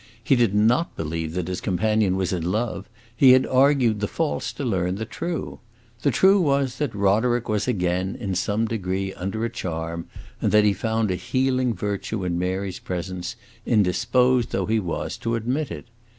He did not believe that his companion was in love; he had argued the false to learn the true. The true was that Roderick was again, in some degree, under a charm, and that he found a healing virtue in Mary's presence, indisposed though he was to admit it.